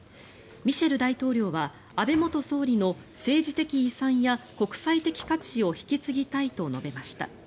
ミシェル大統領は安倍元総理の政治的遺産や国際的価値を引き継ぎたいと述べました。